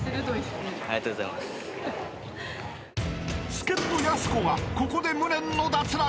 ［助っ人やす子がここで無念の脱落］